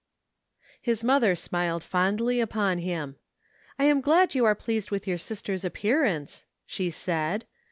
His mother smiled fondly upon him. " I am glad you are pleased with your sister's appear ance," she said.